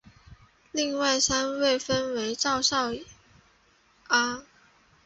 另外三位分别为赵少昂。